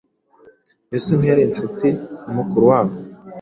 Mbese ntiyari Incuti na Mukuru wabo?